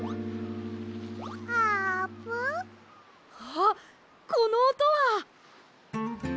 あっこのおとは！